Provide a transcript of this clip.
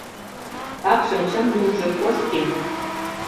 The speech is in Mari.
Такшым чын лӱмжӧ Костин.